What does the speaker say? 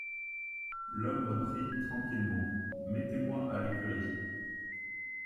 L’homme reprit tranquillement: — Mettez-moi à l’écurie.